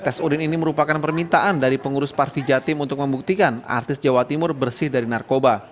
tes urin ini merupakan permintaan dari pengurus parvi jatim untuk membuktikan artis jawa timur bersih dari narkoba